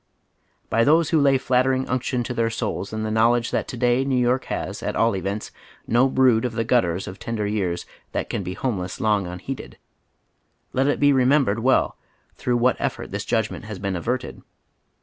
By those who lay flattering unction to tlieir souls in tiie knowledge that to day New York has, at all events, no brood of the gutters of tender years that can be homeless long unliceded, let it be remembered well tlirough what effort this judgment has been averted.